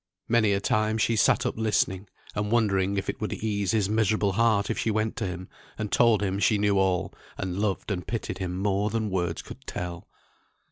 Many a time she sat up listening, and wondering if it would ease his miserable heart if she went to him, and told him she knew all, and loved and pitied him more than words could tell.